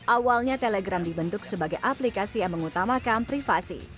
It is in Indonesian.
awalnya telegram dibentuk sebagai aplikasi yang mengutamakan privasi